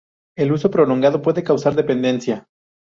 El uso prolongado puede causar dependencia.